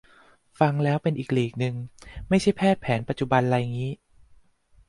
ฟังแล้วเป็นอีกลีกนึง ไม่ใช่แพทย์แผนปัจจุบันไรงี้